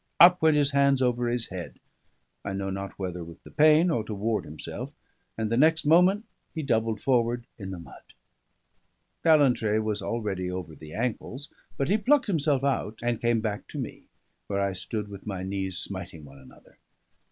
Up went his hands over his head I know not whether with the pain or to ward himself; and the next moment he doubled forward in the mud. Ballantrae was already over the ankles; but he plucked himself out, and came back to me, where I stood with my knees smiting one another.